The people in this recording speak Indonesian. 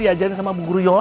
diajarin sama bu guru yo